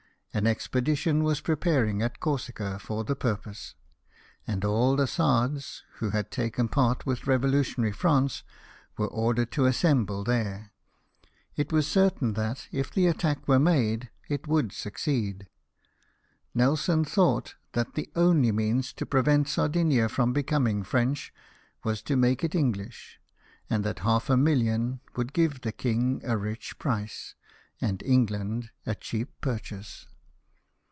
An expedition was preparing at Corsica for the ]3urpose ; and all the Sardes, who had taken part with revolutionary France, were ordered to assemble there. It was certain that, if the attack were made, it would succeed. Nelson thought that the only means to prevent Sardinia from becoming French was to make it English, and that half a million would give the King a rich price, and England a cheap pur chase.